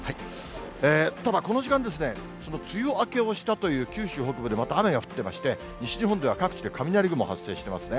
ただ、この時間ですね、その梅雨明けをしたという九州北部でまた雨が降っていまして、西日本では各地で雷雲発生していますね。